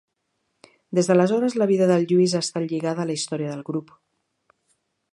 Des d'aleshores la vida del Lluís ha estat lligada a la història del grup.